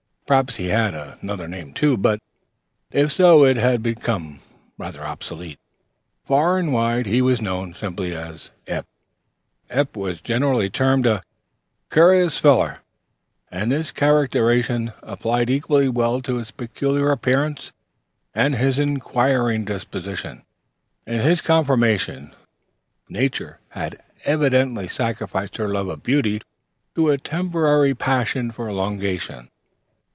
Perhaps he had another name, too, but if so it had become obsolete. Far and wide he was known simply as Eph. Eph was generally termed "a cur'ous feller," and this characterization applied equally well to his peculiar appearance and his inquiring disposition. In his confirmation nature had evidently sacrificed her love of beauty to a temporary passion for elongation.